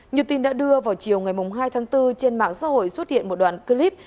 như tin đã đưa vào chiều ngày hai tháng bốn trên mạng xã hội xuất hiện một đoạn clip